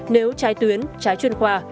nếu trái tuyến trái chuyên khoa